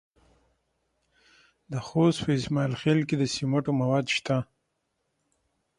د خوست په اسماعیل خیل کې د سمنټو مواد شته.